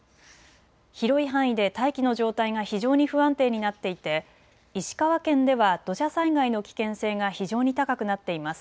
広い範囲で大気の状態が非常に不安定になっていて石川県では土砂災害の危険性が非常に高くなっています。